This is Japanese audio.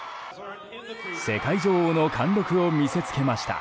世界女王の貫録を見せつけました。